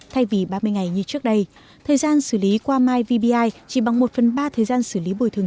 thay vì ba mươi ngày như trước đây thời gian xử lý qua myvbi chỉ bằng một phần ba thời gian xử lý bồi thường